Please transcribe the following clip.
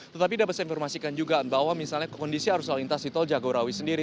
tetapi dapat saya informasikan juga bahwa misalnya kondisi arus lalu lintas di tol jagorawi sendiri